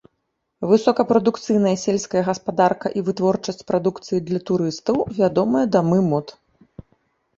Высокапрадукцыйная сельская гаспадарка і вытворчасць прадукцыі для турыстаў, вядомыя дамы мод.